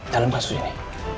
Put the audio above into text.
dalam kasus ini